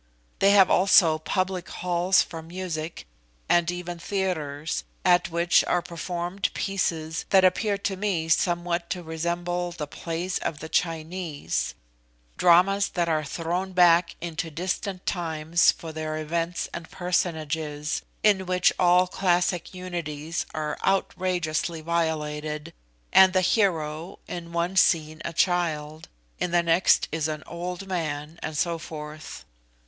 They have also public halls for music, and even theatres, at which are performed pieces that appeared to me somewhat to resemble the plays of the Chinese dramas that are thrown back into distant times for their events and personages, in which all classic unities are outrageously violated, and the hero, in once scene a child, in the next is an old man, and so forth.